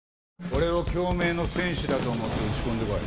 俺を京明の選手だと思って打ち込んでこい。